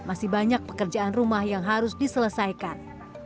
masih banyak pekerjaan rumah yang harus diselesaikan